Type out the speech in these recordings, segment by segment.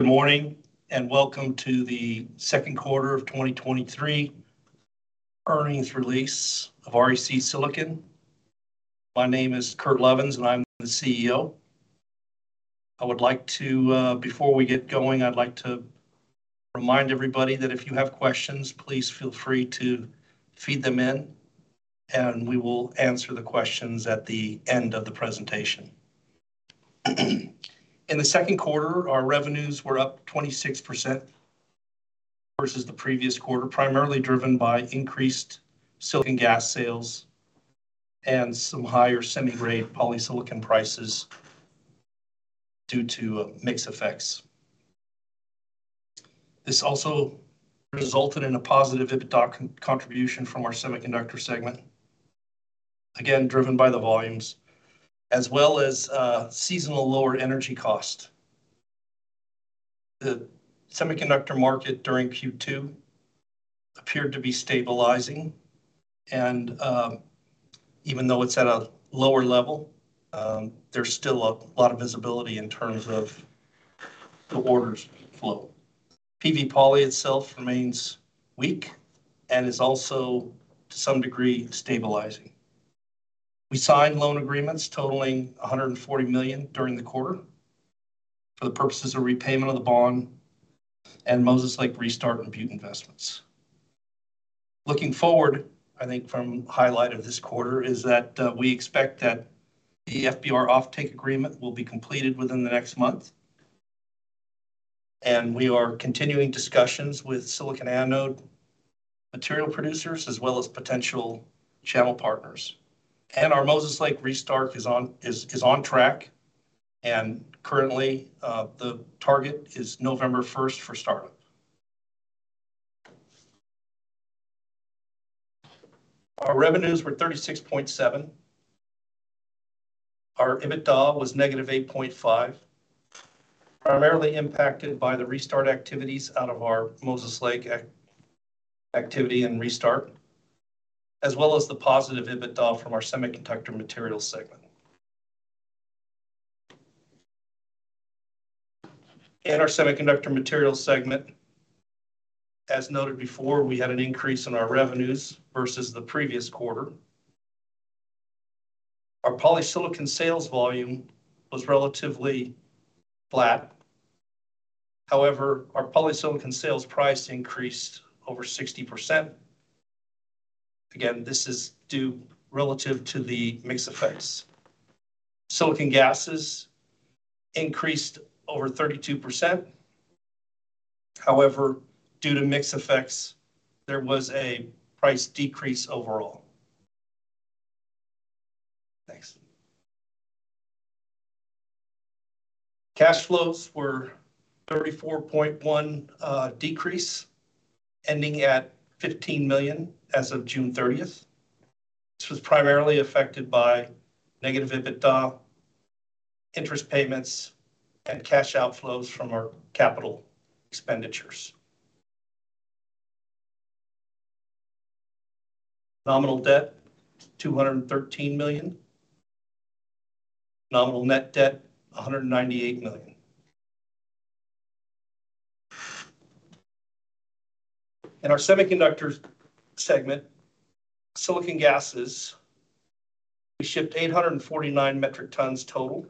Good morning, welcome to the second quarter of 2023 earnings release of REC Silicon. My name is Kurt Levens, and I'm the CEO. I would like to, before we get going, I'd like to remind everybody that if you have questions, please feel free to feed them in, and we will answer the questions at the end of the presentation. In the second quarter, our revenues were up 26% versus the previous quarter, primarily driven by increased silane gas sales and some higher semi-grade polysilicon prices due to mix effects. This also resulted in a positive EBITDA contribution from our semiconductor segment, again, driven by the volumes, as well as seasonal lower energy cost. The semiconductor market during Q2 appeared to be stabilizing, and even though it's at a lower level, there's still a lot of visibility in terms of the orders flow. PV poly itself remains weak and is also, to some degree, stabilizing. We signed loan agreements totaling $140 million during the quarter for the purposes of repayment of the bond and Moses Lake restart and Butte investments. Looking forward, I think from highlight of this quarter, is that we expect that the FBR offtake agreement will be completed within the next month, and we are continuing discussions with silicon anode material producers, as well as potential channel partners. Our Moses Lake restart is on track, and currently, the target is November first for startup. Our revenues were $36.7. Our EBITDA was negative $8.5 million, primarily impacted by the restart activities out of our Moses Lake activity and restart, as well as the positive EBITDA from our semiconductor materials segment. In our semiconductor materials segment, as noted before, we had an increase in our revenues versus the previous quarter. Our polysilicon sales volume was relatively flat. Our polysilicon sales price increased over 60%. This is due relative to the mix effects. Silicon gases increased over 32%. Due to mix effects, there was a price decrease overall. Thanks. Cash flows were a $34.1 million decrease, ending at $15 million as of June thirtieth. This was primarily affected by negative EBITDA, interest payments, and cash outflows from our capital expenditures. Nominal debt, $213 million. Nominal net debt, $198 million. In our semiconductors segment, silicon gases, we shipped 849 metric tons total.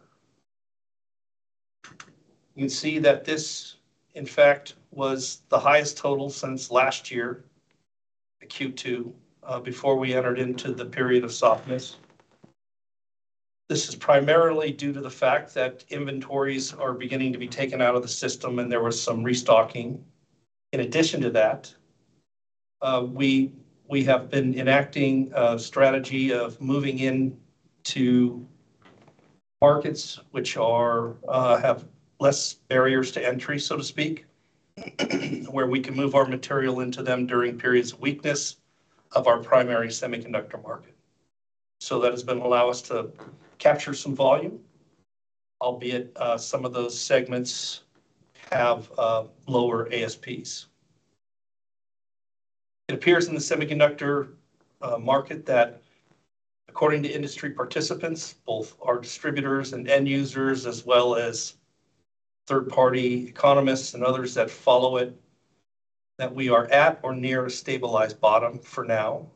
You can see that this, in fact, was the highest total since last year, the Q2, before we entered into the period of softness. This is primarily due to the fact that inventories are beginning to be taken out of the system, and there was some restocking. In addition to that, we, we have been enacting a strategy of moving into markets which are, have less barriers to entry, so to speak, where we can move our material into them during periods of weakness of our primary semiconductor market. That has been allow us to capture some volume, albeit, some of those segments have lower ASPs. It appears in the semiconductor market that according to industry participants, both our distributors and end users, as well as third-party economists and others that follow it, that we are at or near a stabilized bottom for now.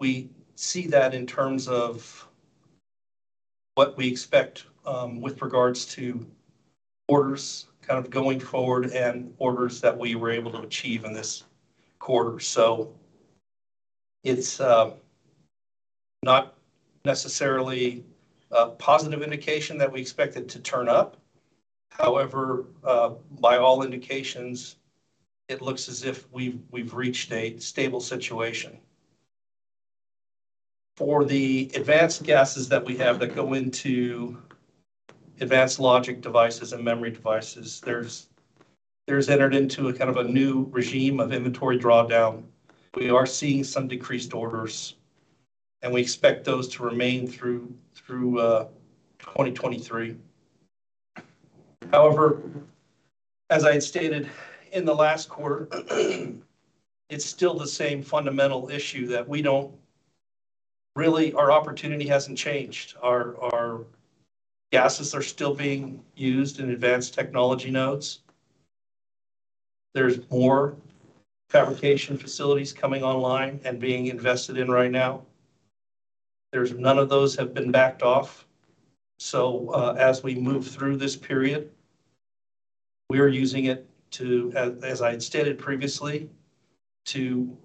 We see that in terms of what we expect with regards to orders kind of going forward and orders that we were able to achieve in this quarter. It's not necessarily a positive indication that we expect it to turn up. However, by all indications, it looks as if we've reached a stable situation. For the advanced gases that we have that go into advanced logic devices and memory devices, there's entered into a kind of a new regime of inventory drawdown. We are seeing some decreased orders, and we expect those to remain through 2023. As I had stated in the last quarter, it's still the same fundamental issue that we don't. Really, our opportunity hasn't changed. Our gases are still being used in advanced technology nodes. There's more fabrication facilities coming online and being invested in right now. There's none of those have been backed off. As we move through this period, we are using it to, as I had stated previously, to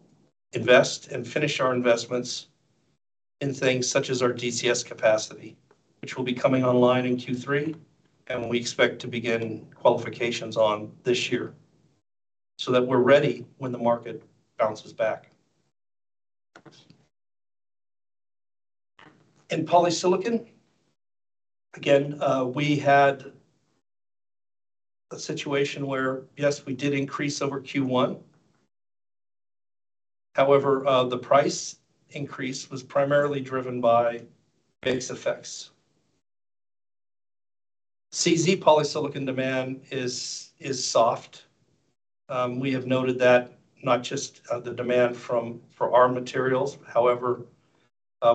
invest and finish our investments in things such as our DCS capacity, which will be coming online in Q3, and we expect to begin qualifications on this year, so that we're ready when the market bounces back. In polysilicon, again, we had a situation where, yes, we did increase over Q1. The price increase was primarily driven by base effects. CZ polysilicon demand is soft. We have noted that not just the demand for our materials, however,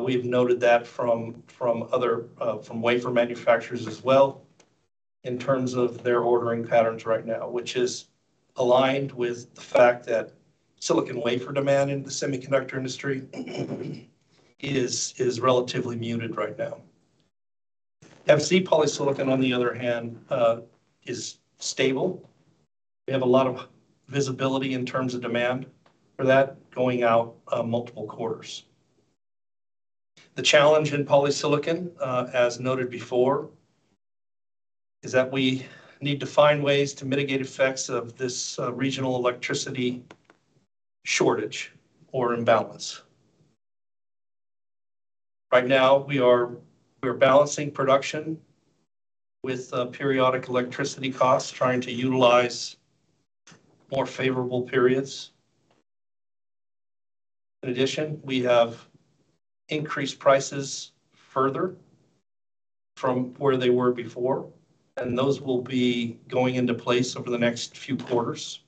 we've noted that from other, from wafer manufacturers as well, in terms of their ordering patterns right now, which is aligned with the fact that silicon wafer demand in the semiconductor industry is relatively muted right now. FZ polysilicon, on the other hand, is stable. We have a lot of visibility in terms of demand for that going out, multiple quarters. The challenge in polysilicon, as noted before, is that we need to find ways to mitigate effects of this regional electricity shortage or imbalance. Right now, we are balancing production with periodic electricity costs, trying to utilize more favorable periods. We have increased prices further from where they were before, and those will be going into place over the next few quarters.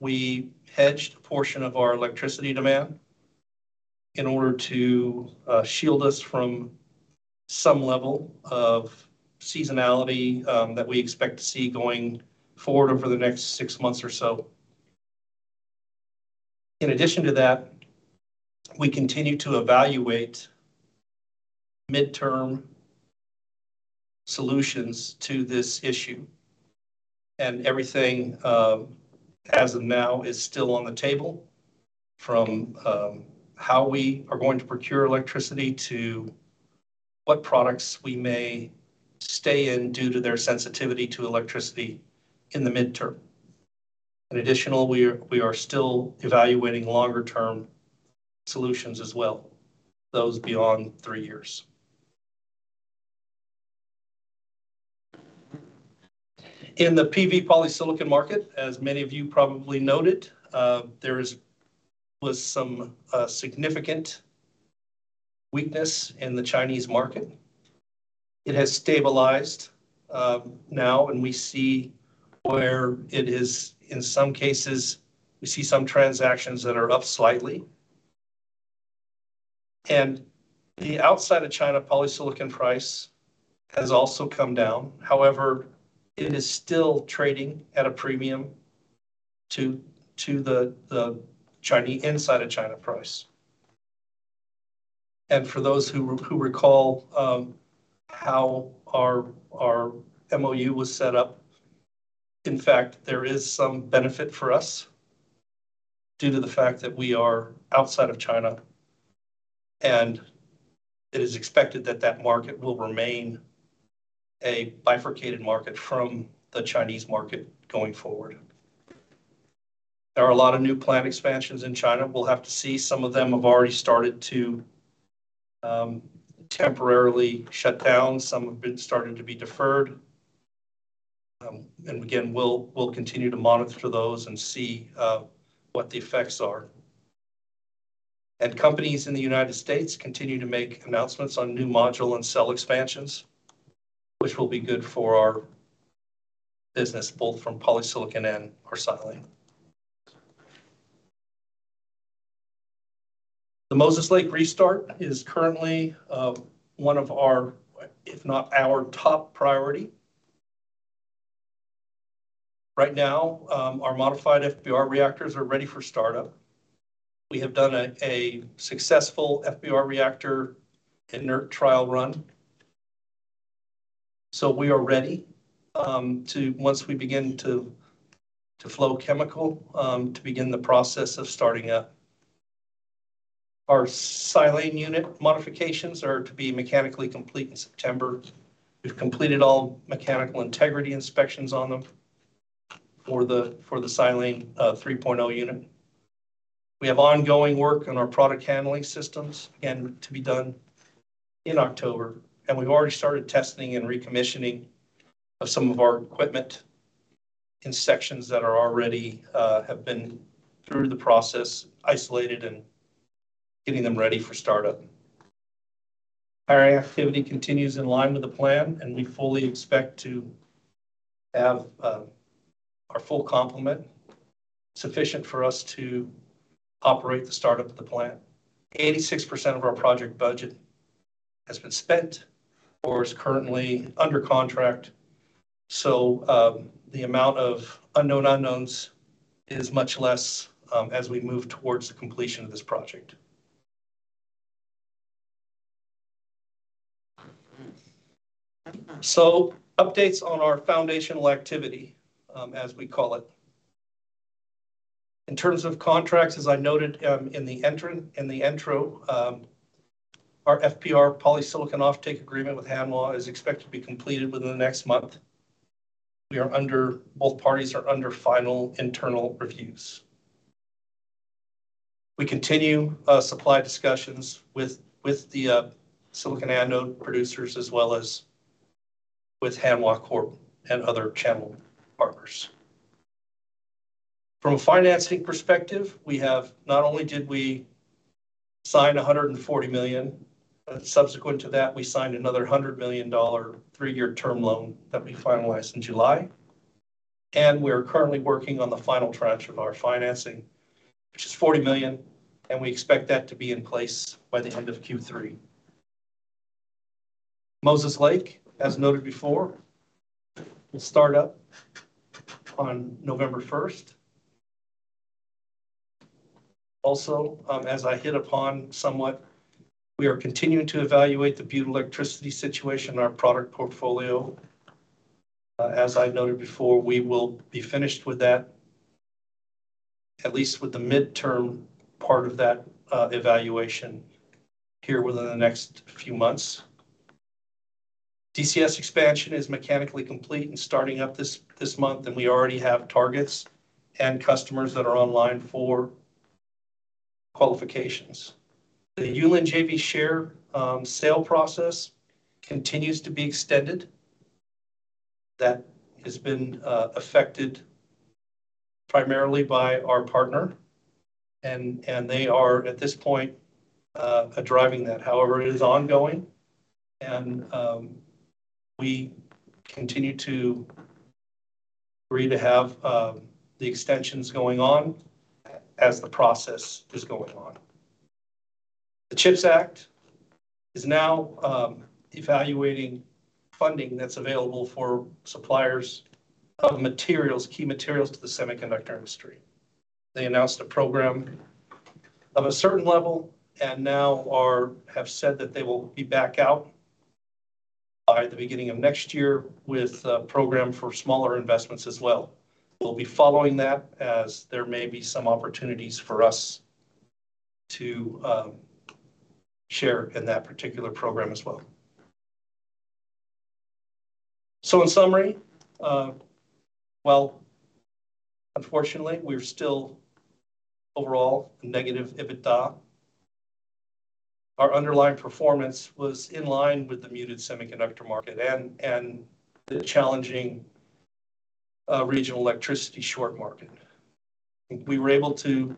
We hedged a portion of our electricity demand in order to shield us from some level of seasonality that we expect to see going forward over the next six months or so. We continue to evaluate midterm solutions to this issue, and everything as of now, is still on the table, from how we are going to procure electricity to what products we may stay in, due to their sensitivity to electricity in the midterm. In addition, we are, we are still evaluating longer term solutions as well, those beyond three years. In the PV polysilicon market, as many of you probably noted, there is, was some significant weakness in the Chinese market. It has stabilized now, and we see where it is-- in some cases, we see some transactions that are up slightly. The outside of China polysilicon price has also come down. However, it is still trading at a premium to, to the, the Chinese, inside of China price. For those who recall, how our MoU was set up, in fact, there is some benefit for us, due to the fact that we are outside of China, and it is expected that that market will remain a bifurcated market from the Chinese market going forward. There are a lot of new plant expansions in China. We'll have to see. Some of them have already started to temporarily shut down. Some have been, starting to be deferred. Again, we'll, we'll continue to monitor those and see what the effects are. Companies in the United States continue to make announcements on new module and cell expansions, which will be good for our business, both from polysilicon and silane. The Moses Lake restart is currently one of our, if not our top priority. Right now, our modified FBR reactors are ready for start-up. We have done a, a successful FBR reactor inert trial run. We are ready to, once we begin to, to flow chemical, to begin the process of starting up. Our silane unit modifications are to be mechanically complete in September. We've completed all mechanical integrity inspections on them for the, for the Silane III unit. We have ongoing work on our product handling systems, and to be done in October, and we've already started testing and recommissioning of some of our equipment in sections that are already have been through the process, isolated, and getting them ready for start-up. Our activity continues in line with the plan, and we fully expect to have our full complement, sufficient for us to operate the start-up of the plant. 86% of our project budget has been spent or is currently under contract. The amount of unknown unknowns is much less as we move towards the completion of this project. Updates on our foundational activity as we call it. In terms of contracts, as I noted in the intro, our FBR polysilicon offtake agreement with Hanwha is expected to be completed within the next month. Both parties are under final internal reviews. We continue supply discussions with the silicon anode producers, as well as with Hanwha Corporation and other channel partners. From a financing perspective, we have not only did we sign $140 million, but subsequent to that, we signed another $100 million three-year term loan that we finalized in July, and we are currently working on the final tranche of our financing, which is $40 million, and we expect that to be in place by the end of Q3. Moses Lake, as noted before, will start up on November first. Also, as I hit upon somewhat, we are continuing to evaluate the Butte electricity situation, our product portfolio. As I noted before, we will be finished with that, at least with the midterm part of that evaluation, here within the next few months. DCS expansion is mechanically complete and starting up this month. We already have targets and customers that are online for qualifications. The Yulin JV share sale process continues to be extended. That has been affected primarily by our partner, and they are, at this point, driving that. However, it is ongoing, and we continue to agree to have the extensions going on as the process is going on. The CHIPS Act is now evaluating funding that's available for suppliers of materials, key materials to the semiconductor industry. They announced a program of a certain level and now are-- have said that they will be back out by the beginning of next year with a program for smaller investments as well. We'll be following that, as there may be some opportunities for us to share in that particular program as well. In summary, while unfortunately, we're still overall negative EBITDA, our underlying performance was in line with the muted semiconductor market and, and the challenging regional electricity short market. We were able to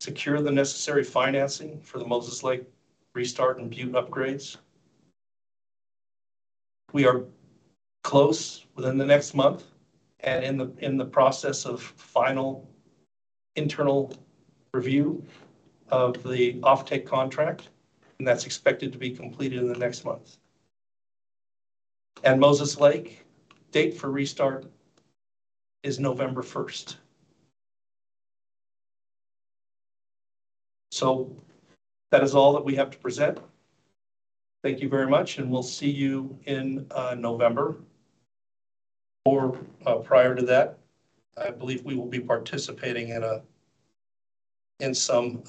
secure the necessary financing for the Moses Lake restart and Butte upgrades. We are close, within the next month, and in the, in the process of final internal review of the offtake contract, and that's expected to be completed in the next month. Moses Lake, date for restart is November 1st. That is all that we have to present. Thank you very much, and we'll see you in November. Prior to that, I believe we will be participating in some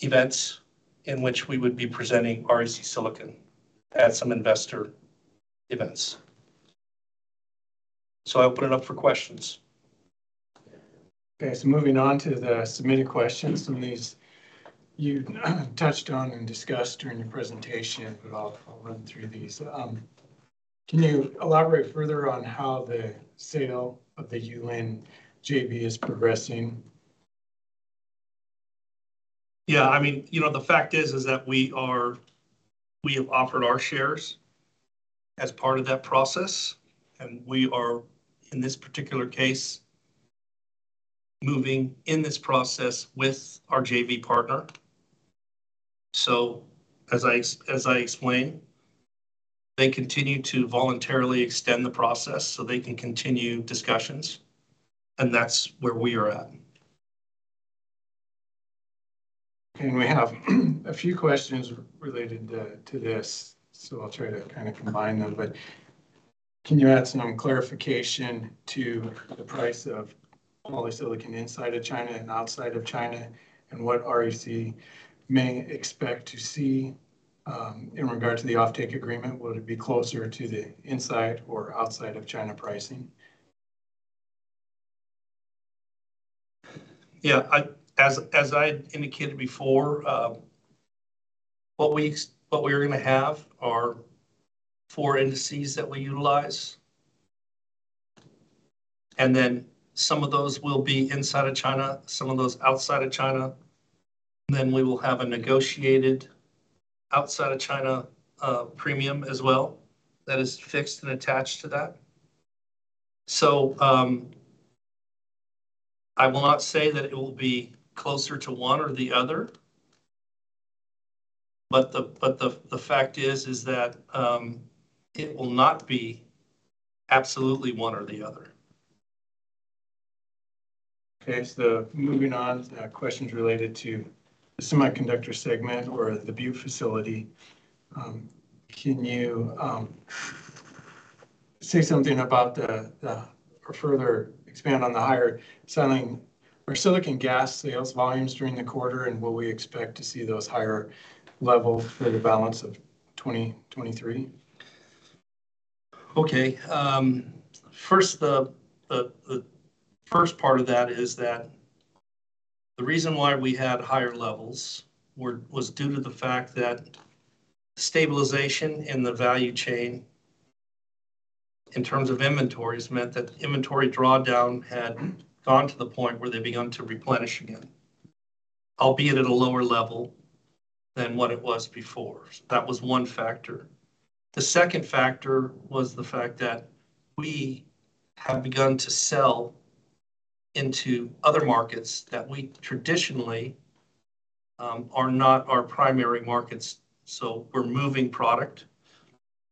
events in which we would be presenting REC Silicon at some investor events. I open it up for questions. Moving on to the submitted questions. Some of these you touched on and discussed during your presentation, but I'll run through these. Can you elaborate further on how the sale of the Yulin JV is progressing? Yeah, I mean, you know, the fact is, is that we have offered our shares as part of that process. We are, in this particular case, moving in this process with our JV partner. As I explained, they continue to voluntarily extend the process so they can continue discussions. That's where we are at. We have a few questions related to this, so I'll try to kind of combine them. Can you add some clarification to the price of polysilicon inside of China and outside of China, and what REC may expect to see in regard to the offtake agreement? Would it be closer to the inside or outside of China pricing? Yeah, I, as, as I indicated before, what we, what we're gonna have are four indices that we utilize. Some of those will be inside of China, some of those outside of China. We will have a negotiated outside of China premium as well that is fixed and attached to that. I will not say that it will be closer to one or the other, but the, but the, the fact is, is that it will not be absolutely one or the other. Moving on, questions related to the semiconductor segment or the Butte facility. Can you say something about or further expand on the higher selling, or silane gas sales volumes during the quarter, and will we expect to see those higher levels for the balance of 2023? Okay, first, the first part of that is that the reason why we had higher levels were, was due to the fact that stabilization in the value chain in terms of inventories meant that inventory drawdown had gone to the point where they begun to replenish again, albeit at a lower level than what it was before. That was one factor. The second factor was the fact that we have begun to sell into other markets that we traditionally, are not our primary markets. We're moving product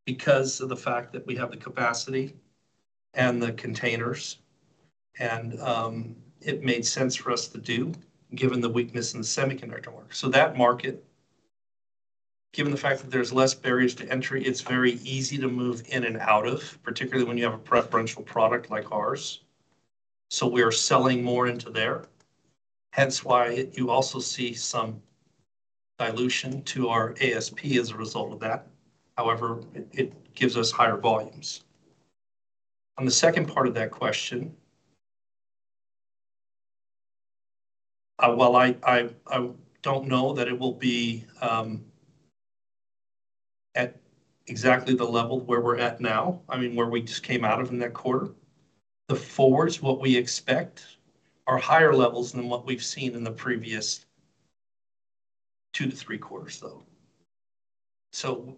because of the fact that we have the capacity and the containers, and, it made sense for us to do, given the weakness in the semiconductor market. That market, given the fact that there's less barriers to entry, it's very easy to move in and out of, particularly when you have a preferential product like ours. We are selling more into there. Hence, why you also see some dilution to our ASP as a result of that. However, it, it gives us higher volumes. On the second part of that question, well, I, I, I don't know that it will be at exactly the level where we're at now. I mean, where we just came out of in that quarter. The forwards, what we expect, are higher levels than what we've seen in the previous two to three quarters, though.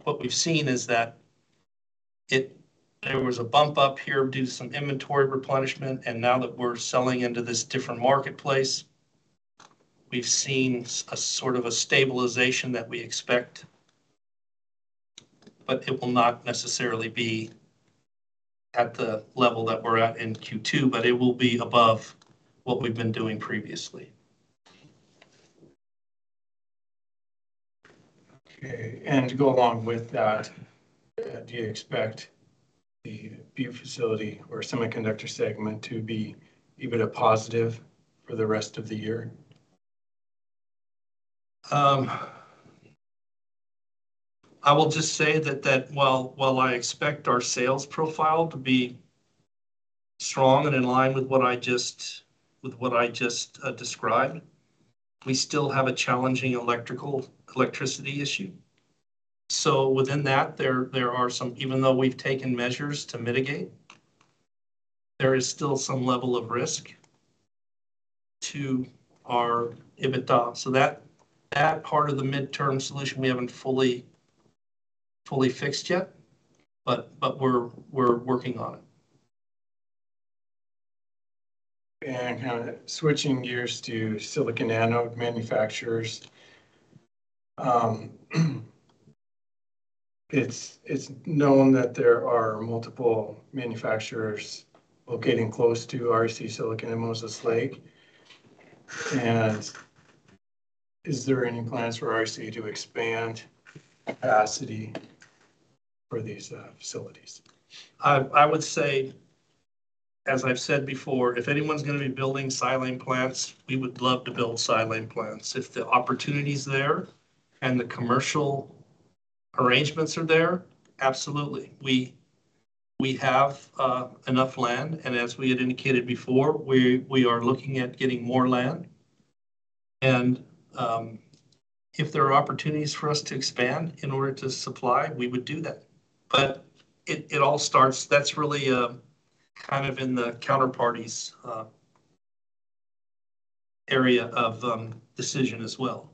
What we've seen is that there was a bump up here due to some inventory replenishment, and now that we're selling into this different marketplace, we've seen a sort of a stabilization that we expect. But it will not necessarily be at the level that we're at in Q2, but it will be above what we've been doing previously. Okay. To go along with that, do you expect the Butte facility or semiconductor segment to be EBITDA positive for the rest of the year? I will just say that, that while, while I expect our sales profile to be strong and in line with what I just, with what I just described, we still have a challenging electrical, electricity issue. Within that, there, there are some. Even though we've taken measures to mitigate, there is still some level of risk to our EBITDA. That, that part of the midterm solution we haven't fully, fully fixed yet, but we're, we're working on it. Kinda switching gears to silicon anode manufacturers. It's known that there are multiple manufacturers locating close to REC Silicon in Moses Lake. Is there any plans for RC to expand capacity for these facilities? I would say, as I've said before, if anyone's gonna be building silane plants, we would love to build silane plants. If the opportunity's there, and the commercial arrangements are there, absolutely. We have enough land, and as we had indicated before, we are looking at getting more land. If there are opportunities for us to expand in order to supply, we would do that. It all starts. That's really kind of in the counterparty's area of decision as well.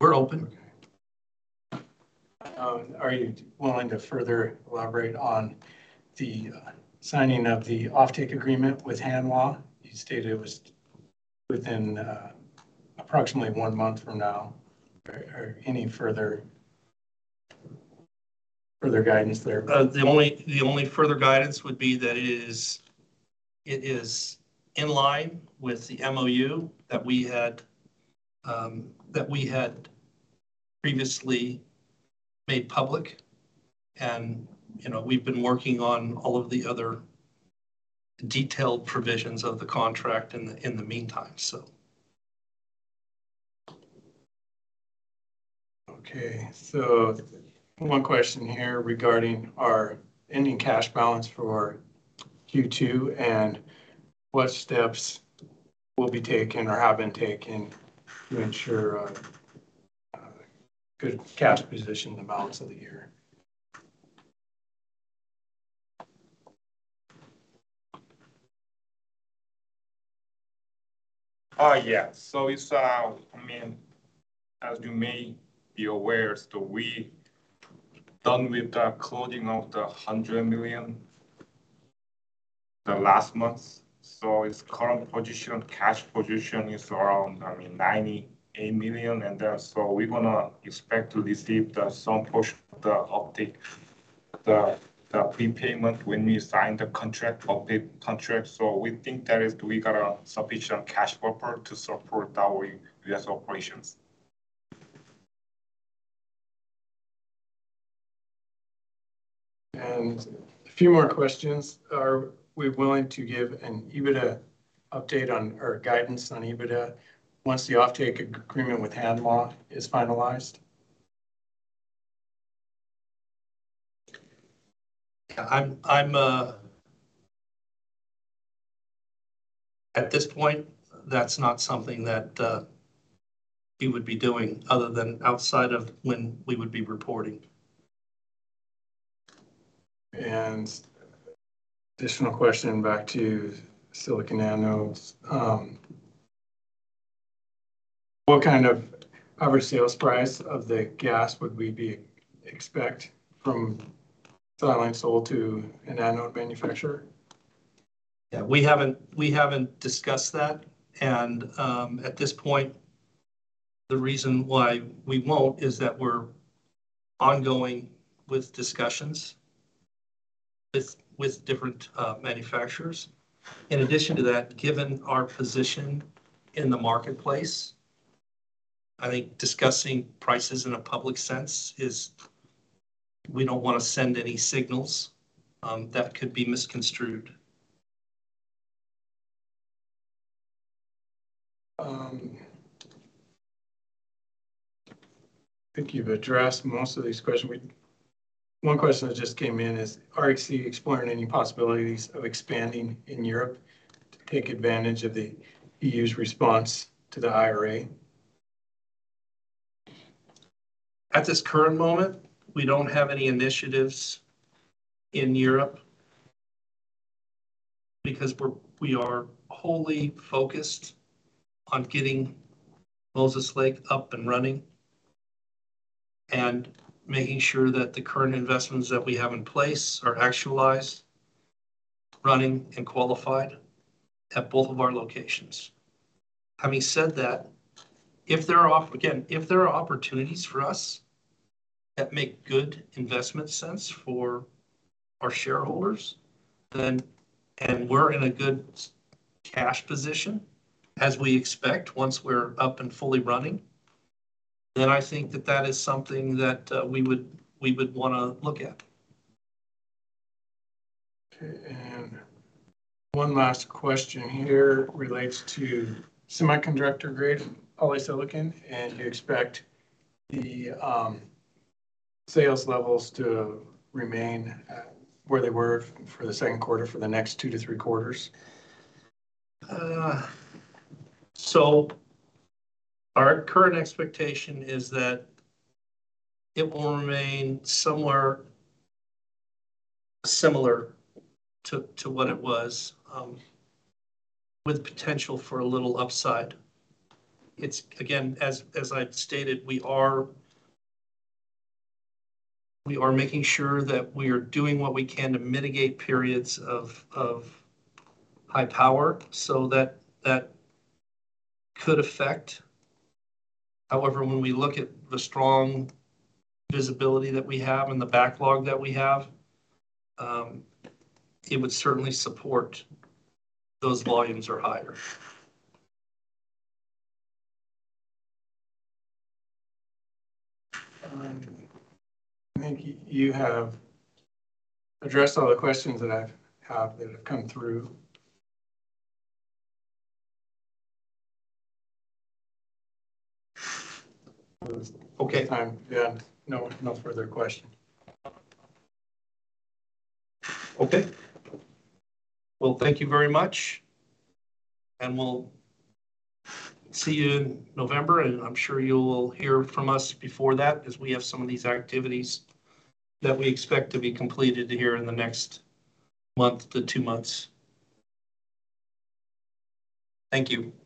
We're open. Okay. Are you willing to further elaborate on the signing of the offtake agreement with Hanwha? You stated it was within approximately one month from now. Or any further guidance there? The only, the only further guidance would be that it is, it is in line with the MoU that we had, that we had previously made public. You know, we've been working on all of the other detailed provisions of the contract in the, in the meantime. Okay, one question here regarding our ending cash balance for Q2, and what steps will be taken or have been taken to ensure? good cash position the balance of the year? Yeah. It's, as you may be aware, we done with the closing of the $100 million the last month. Its current position, cash position is around $98 million. We're gonna expect to receive some portion of the offtake, the prepayment when we sign the contract, offtake contract. We think that is we got a sufficient cash buffer to support our U.S. operations. A few more questions. Are we willing to give an EBITDA update on, or guidance on EBITDA once the offtake agreement with Hanwha is finalized? I'm, I'm... At this point, that's not something that we would be doing other than outside of when we would be reporting. Additional question back to silicon anodes. What kind of average sales price of the gas would we expect from silicon sold to an anode manufacturer? We haven't, we haven't discussed that. At this point, the reason why we won't is that we're ongoing with discussions with, with different manufacturers. In addition to that, given our position in the marketplace, I think discussing prices in a public sense is we don't wanna send any signals that could be misconstrued. I think you've addressed most of these questions. One question that just came in is: Are you exploring any possibilities of expanding in Europe to take advantage of the EU's response to the IRA? At this current moment, we don't have any initiatives in Europe because we're, we are wholly focused on getting Moses Lake up and running, and making sure that the current investments that we have in place are actualized, running, and qualified at both of our locations. Having said that, if there are Again, if there are opportunities for us that make good investment sense for our shareholders, then, and we're in a good cash position, as we expect once we're up and fully running, then I think that that is something that, we would, we would wanna look at. Okay, one last question here relates to semiconductor-grade polysilicon, and do you expect the sales levels to remain where they were for the second quarter for the next two to three quarters? Our current expectation is that it will remain somewhere similar to, to what it was, with potential for a little upside. It's, again, as, as I've stated, we are, we are making sure that we are doing what we can to mitigate periods of, of high power, so that, that could affect. However, when we look at the strong visibility that we have and the backlog that we have, it would certainly support those volumes are higher. I think you, you have addressed all the questions that I've had that have come through. Okay, yeah, no, no further questions. Okay. Well, thank you very much, and we'll see you in November. I'm sure you'll hear from us before that, as we have some of these activities that we expect to be completed here in the next month to two months. Thank you